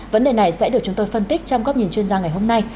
vấn đề này sẽ được chúng tôi phân tích trong góc nhìn chuyên gia ngày hôm nay